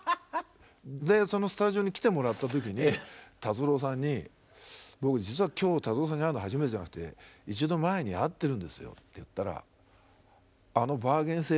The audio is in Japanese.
でそのスタジオに来てもらった時に達郎さんに僕実は今日達郎さんに会うの初めてじゃなくて一度前に会ってるんですよって言ったら。